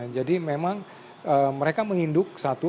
jadi memang mereka menginduk satu